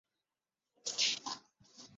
攀援天门冬是天门冬科天门冬属的植物。